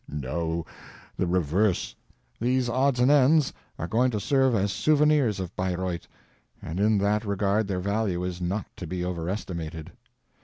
No, the reverse. These odds and ends are going to serve as souvenirs of Bayreuth, and in that regard their value is not to be overestimated.